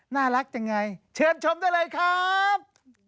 น่ารักจังไงเชิญชมได้เลยครับ